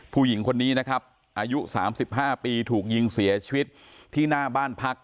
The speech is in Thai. ผู้หญิงคนนี้นะครับอายุ๓๕ปีถูกยิงเสียชีวิตที่หน้าบ้านพัก